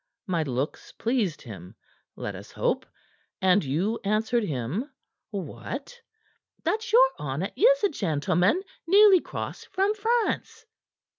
My looks pleased him, let us hope. And you answered him what?" "That your honor is a gentleman newly crossed from France."